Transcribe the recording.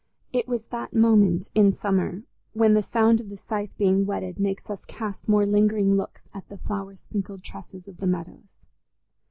It was that moment in summer when the sound of the scythe being whetted makes us cast more lingering looks at the flower sprinkled tresses of the meadows.